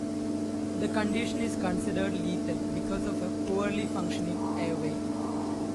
The condition is considered lethal because of a poorly functioning airway.